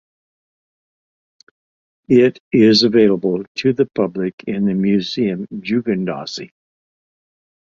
It is available to the public in the Museum Judengasse.